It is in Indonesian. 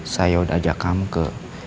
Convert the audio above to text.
saya udah ajak kamu ke